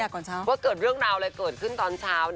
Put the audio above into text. ก็เกิดเรื่องราวดูแก่แจ้งขนช้าว